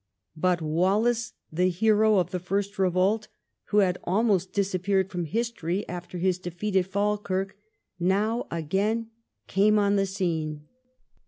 But Wallace, the hero of the first revolt, who had almost disappeared from history after his defeat at Falkirk, noAv again came on the scene.